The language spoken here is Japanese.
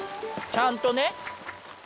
ちゃんとね。